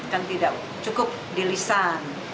kan tidak cukup dilisan